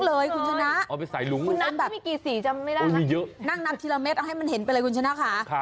เอาไปใส่หลุงนั่งน้ำทีละเม็ดเอาให้มันเห็นไปเลยคุณชนะค่ะ